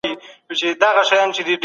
که څوک تېری وکړي نو سزا به وويني.